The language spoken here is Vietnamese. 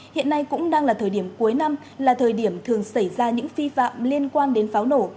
hiện nay cũng đang là thời điểm cuối năm là thời điểm thường xảy ra những phi phạm liên quan đến pháo nổ